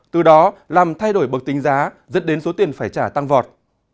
từ đó làm thay đổi bậc tính giá dẫn đến số tiền phải trả tăng vọt